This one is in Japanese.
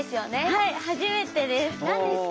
はい初めてです！